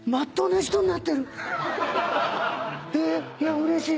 うれしい。